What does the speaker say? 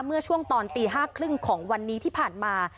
เมื่อช่วงตอนตี๕๓๐ของวันนี้ที่ผ่านมา